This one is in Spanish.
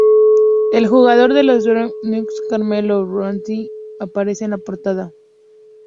El jugador de los Denver Nuggets, Carmelo Anthony, aparece en la portada.